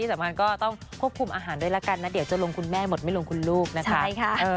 สำคัญก็ต้องควบคุมอาหารด้วยละกันนะเดี๋ยวจะลงคุณแม่หมดไม่ลงคุณลูกนะคะใช่ค่ะ